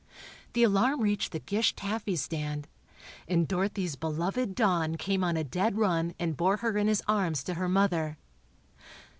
The alarm reached the Gish taffy stand, and Dorothy's beloved Don came on a dead run and bore her in his arms to her mother.